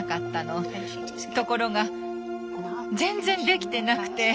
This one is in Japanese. ところが全然できてなくて。